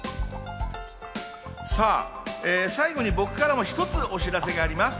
最後に僕からも一つお知らせがあります。